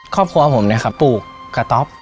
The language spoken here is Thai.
ครอบครัวผมเนี่ยครับปลูกกระต๊อบ